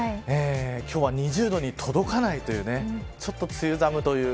今日は２０度に届かないというちょっと梅雨寒という。